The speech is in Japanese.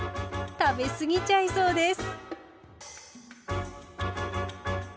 食べ過ぎちゃいそうです！